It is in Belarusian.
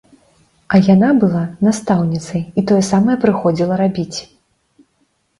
А яна была настаўніцай і тое самае прыходзіла рабіць.